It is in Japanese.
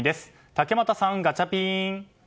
竹俣さん、ガチャピン！